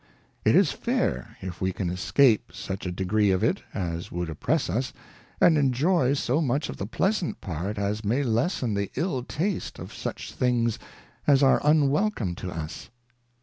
It is fair, if we can escape such a degree of it as would oppress us, and enjoy so much of the pleasant part as may lessen the ill taste of such things as are unwelcome to us.